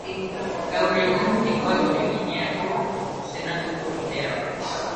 Gaur egun, Ekuatore Gineako Senatuko kidea da.